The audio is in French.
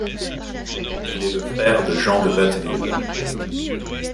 Il est le frère de Jean de Watteville.